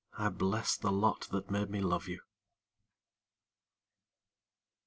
I bless the lot that made me love you.